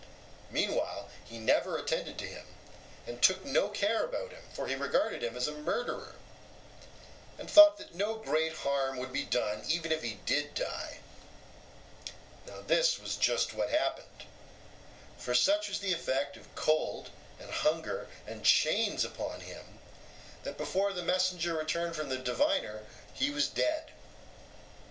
Meanwhile he never attended to him and took no care about him, for he regarded him as a murderer; and thought that no great harm would be done even if he did die. Now this was just what happened. For such was the effect of cold and hunger and chains upon him, that before the messenger returned from the diviner, he was dead.